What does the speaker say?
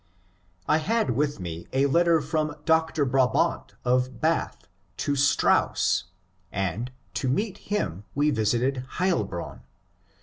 * I had with me a letter from Dr. Brabant of Bath to Strauss, and to meet him we visited Heilbronn.